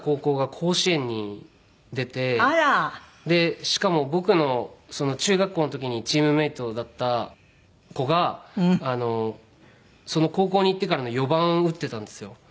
でしかも僕の中学校の時にチームメートだった子がその高校に行ってからの４番を打ってたんですよ。